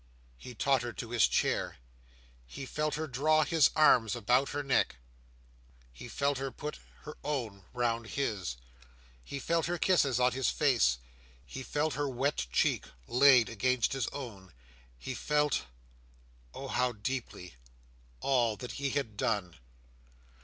He tottered to his chair. He felt her draw his arms about her neck; he felt her put her own round his; he felt her kisses on his face; he felt her wet cheek laid against his own; he felt—oh, how deeply!—all that he had done.